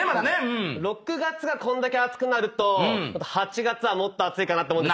６月がこんだけ暑くなると８月はもっと暑いかなって。